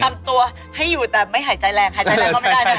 ทำตัวให้อยู่แต่ไม่หายใจแรงหายใจแรงก็ไม่ได้นะคะ